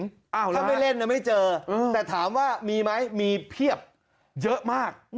ถ้าไม่เล่นไม่เจอแต่ถามว่ามีไหมมีเพียบเยอะมาก